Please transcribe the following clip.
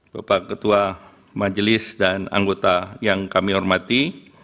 bapak ketua majelis dan anggota yang kami hormati